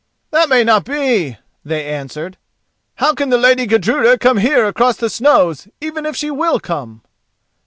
"That may not be," they answered. "How can the lady Gudruda come here across the snows, even if she will come?"